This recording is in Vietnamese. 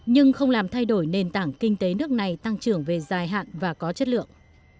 nhưng không làm thay đổi nền tảng kinh tế nước này tăng trưởng về dài hạn và có chất lượng